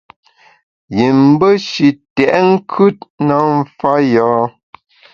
Yim be shi tèt nkùt na mfa yâ.